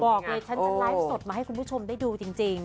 บอกเลยฉันจะไลฟ์สดมาให้คุณผู้ชมได้ดูจริง